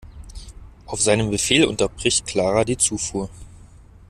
Auf seinen Befehl unterbricht Clara die Zufuhr.